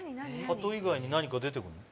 ハト以外に何か出てくるの？